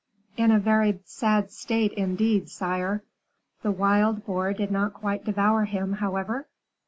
"In a very sad state indeed, sire." "The wild boar did not quite devour him, however?"